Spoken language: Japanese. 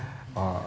ああ